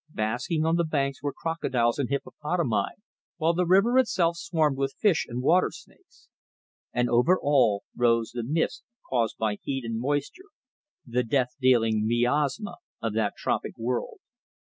Basking on the banks were crocodiles and hippopotami, while the river itself swarmed with fish and water snakes. And over all rose the mist caused by heat and moisture, the death dealing miasma of that tropic world.